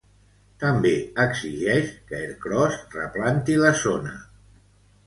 També exigeix que Ercros replanti la zona.